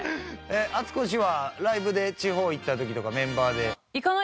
アツコ氏はライブで地方行った時とかメンバーで。